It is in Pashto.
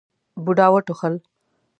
بوډا وټوخل.